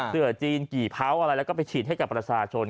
เสือจีนกี่เผาอะไรแล้วก็ไปฉีดให้กับประชาชน